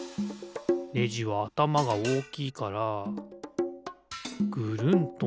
ねじはあたまがおおきいからぐるんとなる。